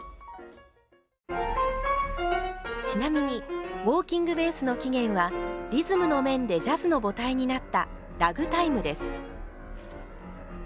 ちなみにウォーキングベースの起源はリズムの面でジャズの母体になったラグタイムです。